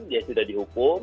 dia sudah dihukum